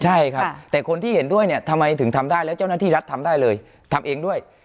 ใช่ครับแต่คนที่เห็นด้วยเนี่ยทำไมถึงทำได้แล้วเจ้าหน้าที่รัฐทำได้เลยทำเองด้วย